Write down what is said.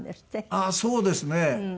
ああそうですね。